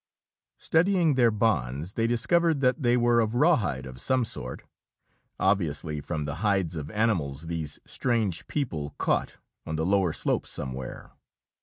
Studying their bonds, they discovered that they were of rawhide of some sort, obviously from the hides of animals these strange people caught on the lower slopes somewhere.